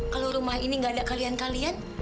kalau rumah ini gak ada kalian kalian